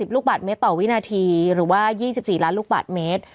ลูกบาทเมตรต่อวินาทีหรือว่า๒๔ล้านลูกบาทเมตร